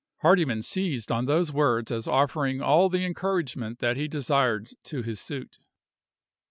Hardyman seized on those words as offering all the encouragement that he desired to his suit.